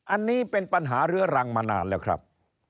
อันนี้เป็นปัญหาเรื้อรังมานานแล้วครับ